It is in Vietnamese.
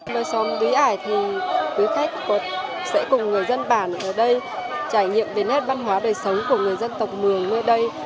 nơi xóm đúy ải thì quý khách sẽ cùng người dân bản ở đây trải nghiệm đến hết văn hóa đời sống của người dân tộc mường nơi đây